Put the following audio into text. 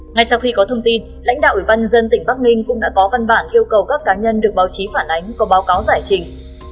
ngay sau khi có thông tin lãnh đạo ủy ban dân tỉnh bắc ninh cũng đã có văn bản yêu cầu các cá nhân được báo chí phản ánh có báo cáo giải trình